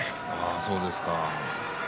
そうですか。